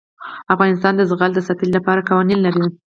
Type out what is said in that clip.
افغانستان د زغال د ساتنې لپاره قوانین لري.